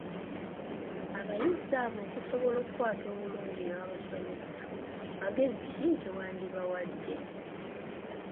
Abayizi abo okusobola okukwata obulungi by'obasomesa, magezi ki ge wandibawadde?